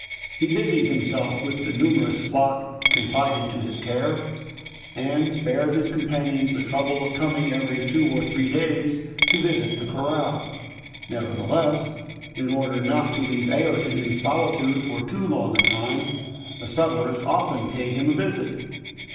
He busied himself with the numerous flock confided to his care, and spared his companions the trouble of coming every two or three days to visit the corral. Nevertheless, in order not to leave Ayrton in solitude for too long a time, the settlers often paid him a visit.